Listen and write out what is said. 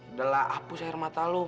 udahlah hapus air mata lo